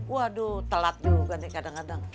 waduh telat juga nih kadang kadang